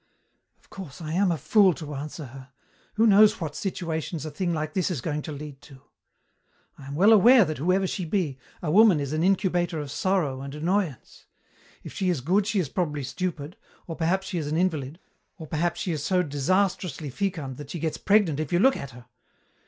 "Of course I am a fool to answer her. Who knows what situations a thing like this is going to lead to? I am well aware that whoever she be, a woman is an incubator of sorrow and annoyance. If she is good she is probably stupid, or perhaps she is an invalid, or perhaps she is so disastrously fecund that she gets pregnant if you look at her.